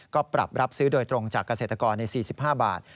ก็ปรับรับซื้อโดยตรงจากเกษตรกรใน๔๕บาท